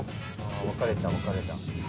あ分かれた分かれた。